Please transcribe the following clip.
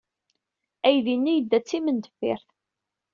Aydi-nni yedda d timendeffirt.